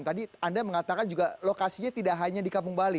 tadi anda mengatakan juga lokasinya tidak hanya di kampung bali